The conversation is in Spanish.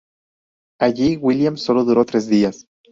Allí Williams sólo duró tres días.